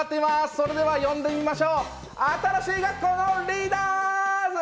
それでは呼んでみましょう、新しい学校のリーダーズ！